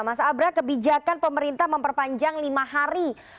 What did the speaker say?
mas abra kebijakan pemerintah memperpanjang lima hari